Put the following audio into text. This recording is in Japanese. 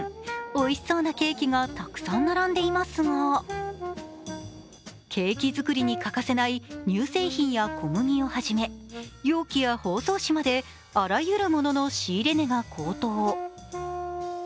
おいしそうなケーキがたくさん並んでいますがケーキ作りに欠かせない乳製品や小麦をはじめ容器や包装紙まで、あらゆるものの仕入れ値が高騰。